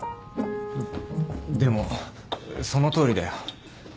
でもそのとおりだよ。